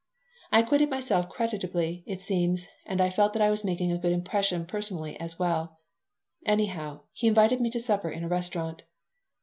I acquitted myself creditably, it seemed, and I felt that I was making a good impression personally as well. Anyhow, he invited me to supper in a restaurant.